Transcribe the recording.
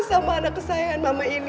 sama anak kesayangan mama ini